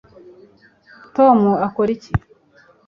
tony akora iki